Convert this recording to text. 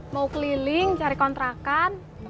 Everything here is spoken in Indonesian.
mau keliling cari kontrakan